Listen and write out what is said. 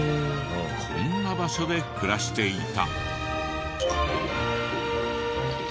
こんな場所で暮らしていた。